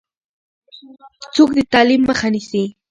څوک د تعلیم مخه نیسي؟